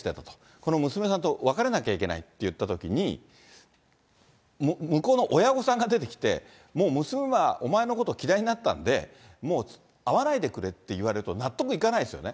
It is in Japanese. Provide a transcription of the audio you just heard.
この娘さんと別れなきゃいけないとなったときに、向こうの親御さんが出てきて、もう娘はお前のこと嫌いになったので、もう会わないでくれって言われると、納得いかないですよね。